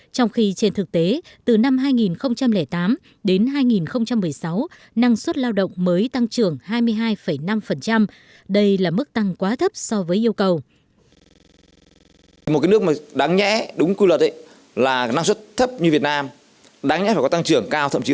trong khi trên thực tế từ năm hai nghìn tám đến hai nghìn một mươi sáu năng suất lao động mới tăng trưởng hai mươi hai năm